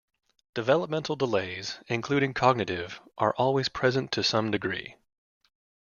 Developmental delays, including cognitive, are always present to some degree.